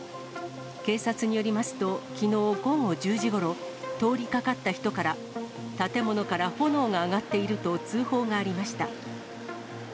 警察によりますと、きのう午後１０時ごろ、通りかかった人から、建物から炎が上がっていると通報がありました。